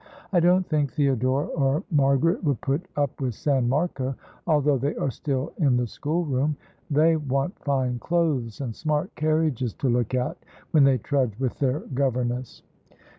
"I don't think Theodora or Margaret would put up with San Marco, although they are still in the school room. They want fine clothes and smart carriages to look at, when they trudge with their governess."